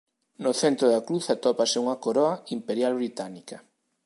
No centro da cruz atópase unha coroa imperial británica.